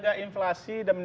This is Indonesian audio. bukan begitu kan mas